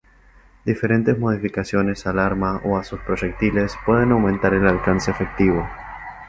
Diferentes modificaciones aportadas al arma o a sus proyectiles pueden aumentar el alcance efectivo.